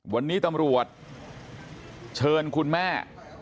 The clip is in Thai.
วันนี้ตำรวจเชิญคุณแม่